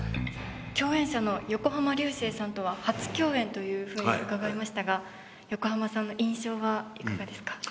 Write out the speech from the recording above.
共演者の横浜流星さんとは初共演というふうに伺いましたが横浜さんの印象はいかがですか？